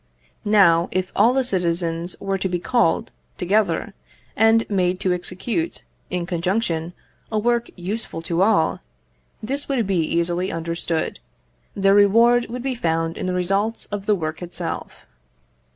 Now, if all the citizens were to be called together, and made to execute, in conjunction, a work useful to all, this would be easily understood; their reward would be found in the results of the work itself.